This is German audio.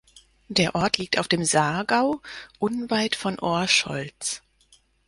Der Ort liegt auf dem Saargau, unweit von Orscholz.